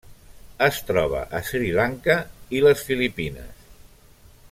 Es troba a Sri Lanka i les Filipines.